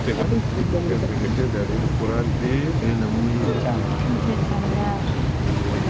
ini lebih kecil dari ukuran di ikn